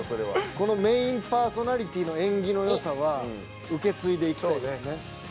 このメインパーソナリティーの縁起のよさは、受け継いでいきたいね。